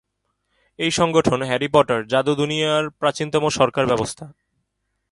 এই সংগঠন "Harry Potter" জাদু দুনিয়ার প্রাচীনতম সরকার ব্যবস্থা।